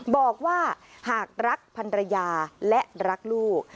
บอกว่าหากรักพันรยาและรักลูก